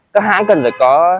các hãng cần phải có